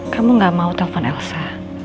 kamu gak mau telpon elsa